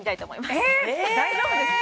ええ大丈夫ですか？